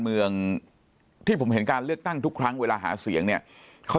เมืองที่ผมเห็นการเลือกตั้งทุกครั้งเวลาหาเสียงเนี่ยเขา